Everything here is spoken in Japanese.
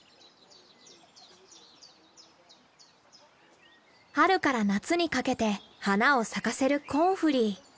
春から夏にかけて花を咲かせるコンフリー。